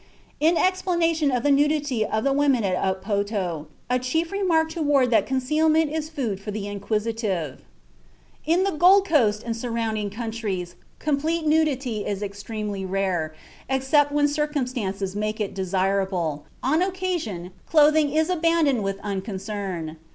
In explanation of the nudity of the women at Upoto, a chief remarked to Ward that "concealment is food for the inquisitive." (Journal of the Anthropological Institute, 1895, p. 293.) In the Gold Coast and surrounding countries complete nudity is extremely rare, except when circumstances make it desirable; on occasion clothing is abandoned with unconcern.